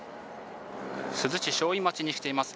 珠洲市正院町に来ています。